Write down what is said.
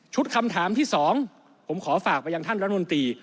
คำถามที่๒ผมขอฝากไปยังท่านรัฐมนตรี